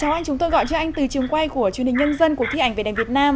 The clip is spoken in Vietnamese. chào anh chúng tôi gọi cho anh từ trường quay của truyền hình nhân dân cuộc thi ảnh về đèn việt nam